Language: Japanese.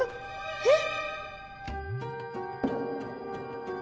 えっ？